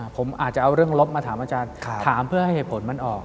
ผมอาจจะเอาเรื่องลบมาถามอาจารย์ถามเพื่อให้เหตุผลมันออก